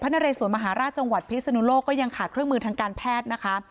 และภ้านเรยสวนมหาราชจพีศนุโลก็ยังขาดเครื่องมือทางการแพทย์นะครับ